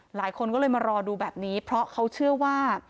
หลายคนก็เลยมารอดูแบบนี้เพราะเขาเชื่อว่า